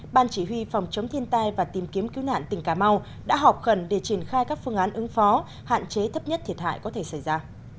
ban chỉ huy phòng chống thiên tai và tìm kiếm cứu nạn tỉnh cà mau đã họp khẩn để triển khai các phương án ứng phó hạn chế thấp nhất thiệt hại có thể xảy ra